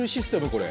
これ。